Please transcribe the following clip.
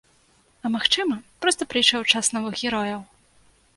А магчыма, проста прыйшоў час новых герояў.